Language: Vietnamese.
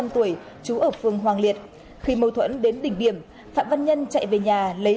bốn mươi năm tuổi trú ở phường hoàng liệt khi mâu thuẫn đến đỉnh điểm phạm văn nhân chạy về nhà lấy